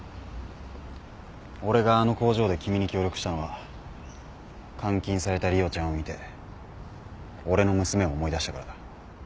俺があの工場で君に協力したのは監禁された梨央ちゃんを見て俺の娘を思い出したからだ。